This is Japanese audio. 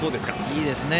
いいですね。